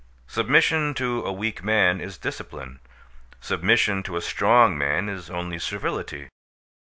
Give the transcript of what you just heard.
Submission to a weak man is discipline. Submission to a strong man is only servility.